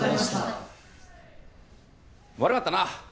悪かったな。